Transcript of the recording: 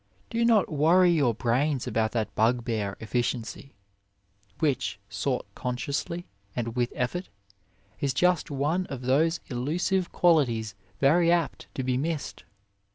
Do not worry your brains about that bugbear Efficiency, which, sought consciously and with effort, is just one of those D 49 A WAY elusive qualities very apt to be missed.